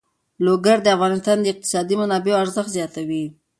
لوگر د افغانستان د اقتصادي منابعو ارزښت زیاتوي.